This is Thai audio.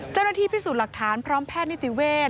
เจ้าหน้าที่พิสูจน์หลักฐานพร้อมแพทย์นิติเวศ